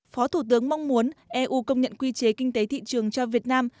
phó thủ tướng mong muốn eu công nhận quy chế kinh tế thị trường cho việt nam